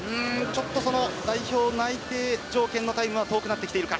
代表内定条件のタイムは遠くなってきているか。